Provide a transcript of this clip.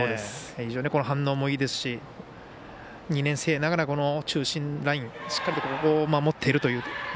非常に反応もいいですし２年生ながら中心ライン、しっかりと守っているという。